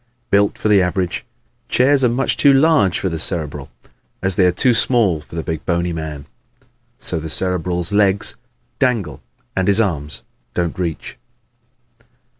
Built for the average, chairs are as much too large for the Cerebral as they are too small for the big bony man. So the Cerebral's legs dangle and his arms don't reach.